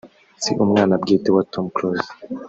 si umwana bwite wa Tom Cruise